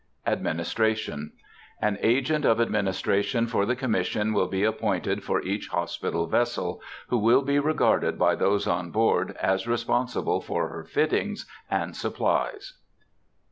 ADMINISTRATION. An agent of administration for the Commission will be appointed for each hospital vessel, who will be regarded by those on board as responsible for her fittings and supplies.